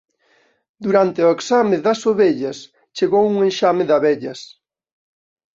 Durante o exame das ovellas chegou un enxame de abellas